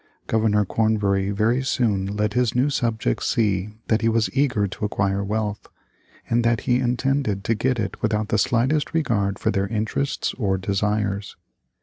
Governor Cornbury very soon let his new subjects see that he was eager to acquire wealth, and that he intended to get it without the slightest regard for their interests or desires.